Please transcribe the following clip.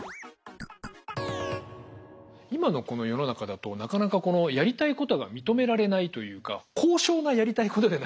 今のこの世の中だとなかなかやりたいことが認められないというか。